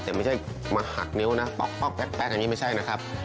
แต่ไม่ใช่มาหักนิ้วนะป๊อกแป๊ะอันนี้ไม่ใช่นะครับ